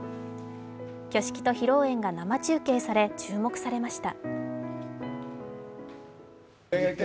挙式と披露宴が生中継され注目されました。